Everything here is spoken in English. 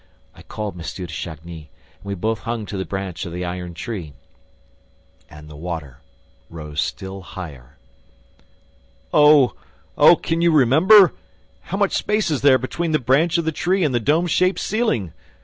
I called M. de Chagny, and we both hung to the branch of the iron tree. And the water rose still higher. "Oh! Oh! Can you remember? How much space is there between the branch of the tree and the dome shaped ceiling?